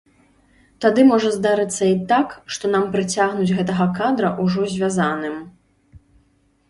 Тады можа здарыцца і так, што нам прыцягнуць гэтага кадра ўжо звязаным.